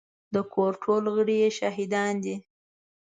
د کور ټول غړي يې شاهدان دي.